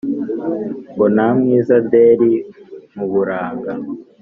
Ngo ntamwiza deri muburanga